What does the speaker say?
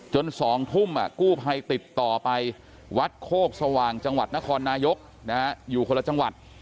๒ทุ่มกู้ภัยติดต่อไปวัดโคกสว่างจังหวัดนครนายกอยู่คนละจังหวัด